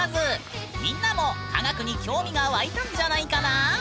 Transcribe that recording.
みんなも科学に興味が湧いたんじゃないかな？